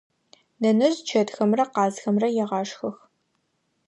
Нэнэжъ чэтхэмрэ къазхэмрэ егъашхэх.